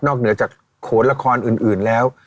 เหนือจากโขนละครอื่นแล้ว